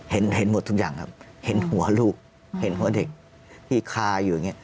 เห็นเห็นหมดทุกอย่างครับเห็นหัวลูกเห็นหัวเด็กที่คาอยู่อย่างเงี้